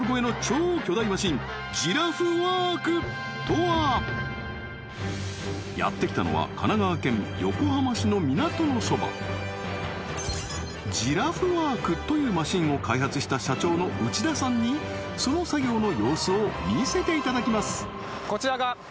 電気のやってきたのは神奈川県横浜市の港のそばジラフワークというマシンを開発した社長の内田さんにその作業の様子を見せていただきます